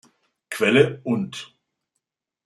Quelle: und